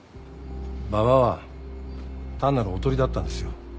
馬場は単なるおとりだったんですよ。